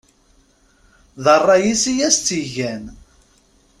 D ṛṛay-is i yas-tt-igan.